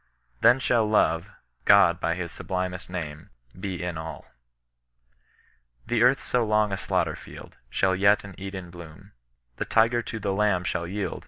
Then shall Love (God by his sublimest name) be all in all." The earth so long a daoghter fleld. Shall yet an Eden bloom ; The tiger to the lamb shall yield.